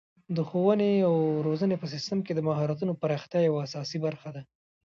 د ښوونې او روزنې په سیستم کې د مهارتونو پراختیا یوه اساسي برخه ده.